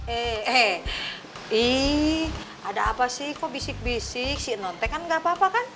eh eh ada apa sih kok bisik bisik sik nontek kan nggak apa apa kan